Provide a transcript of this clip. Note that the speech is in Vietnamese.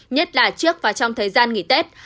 nhất là trước và trong thời gian nghỉ tết